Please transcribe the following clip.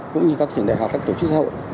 cũng như các trường đại học các tổ chức xã hội